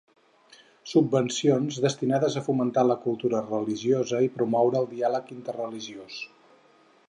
Subvencions destinades a fomentar la cultura religiosa i promoure el diàleg interreligiós.